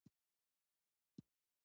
ایا د کرونا واکسین مو کړی دی؟